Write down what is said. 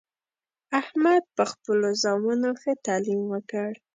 احمد په خپلو زامنو ښه تعلیم وکړ